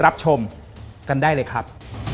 แป๊บ